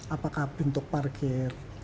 apakah bentuk parkir